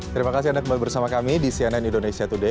terima kasih anda kembali bersama kami di cnn indonesia today